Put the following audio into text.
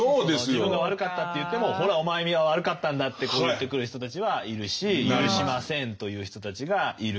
自分が悪かったっていってもほらお前が悪かったんだって言ってくる人たちはいるし赦しませんという人たちがいる。